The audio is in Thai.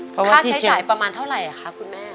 ค่าใช้จ่ายประมาณเท่าไหร่คะคุณแม่